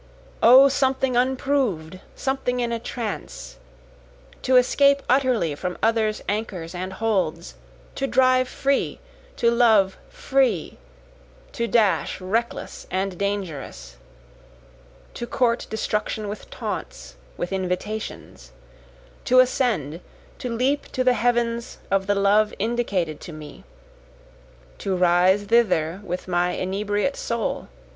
O something unprov'd! something in a trance! To escape utterly from others' anchors and holds! To drive free! to love free! to dash reckless and dangerous! To court destruction with taunts, with invitations! To ascend, to leap to the heavens of the love indicated to me! To rise thither with my inebriate soul!